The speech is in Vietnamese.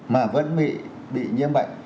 mà vẫn bị nhiễm bệnh